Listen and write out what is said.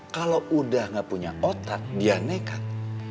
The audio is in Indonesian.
kalau udah gak punya otak dia nekat